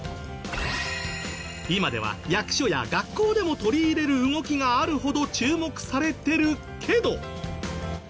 今では役所や学校でも取り入れる動きがあるほど注目されてるけど。